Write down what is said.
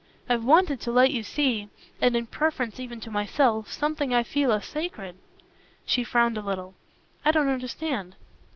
I've wanted to let you see and in preference even to myself something I feel as sacred." She frowned a little. "I don't understand."